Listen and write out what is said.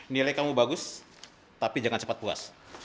nilai kamu bagus tapi jangan cepat puas